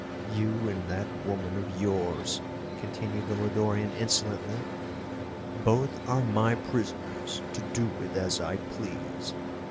"You and that woman of yours," continued the Lodorian insolently, "both are my prisoners to do with as I please.